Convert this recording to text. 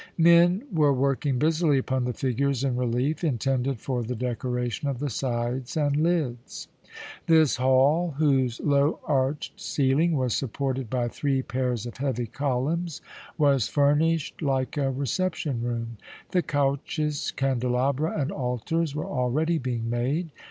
Men were working busily upon the figures in relief intended for the decoration of the sides and lids. This hall, whose low arched ceiling was supported by three pairs of heavy columns, was furnished like a reception room. The couches, candelabra, and altars were already being made.